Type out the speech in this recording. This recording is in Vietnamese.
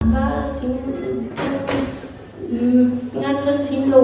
và xin lỗi gia đình của mình